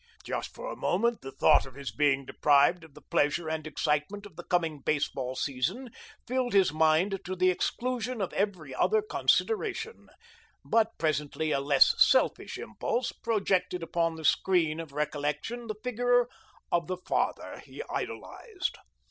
Just for a moment the thought of being deprived of the pleasure and excitement of the coming baseball season filled his mind to the exclusion of every other consideration, but presently a less selfish impulse projected upon the screen of recollection the figure of the father he idolized.